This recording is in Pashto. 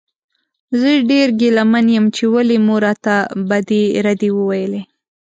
زه ډېر ګیله من یم چې ولې مو راته بدې ردې وویلې.